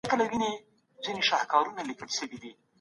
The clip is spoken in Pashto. که امنيت نه وي اقتصاد به وده ونه کړي.